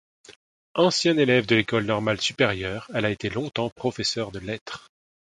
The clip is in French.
Ancienne élève de l’École normale supérieure, elle a été longtemps professeur de lettres.